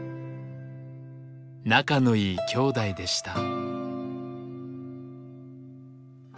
仲のいい兄弟でした。